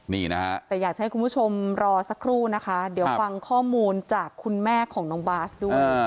นี่นะฮะแต่อยากจะให้คุณผู้ชมรอสักครู่นะคะเดี๋ยวฟังข้อมูลจากคุณแม่ของน้องบาสด้วย